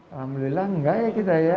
alhamdulillah enggak ya kita ya